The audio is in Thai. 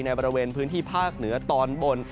บริเวณพื้นที่ภาคเหนือตอนบน